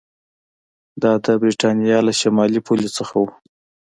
دا د برېټانیا له شمالي پولې څخه و